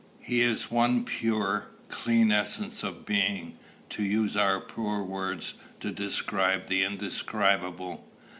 'He is one pure, clean essence of being, to use our poor words to describe the indescribable.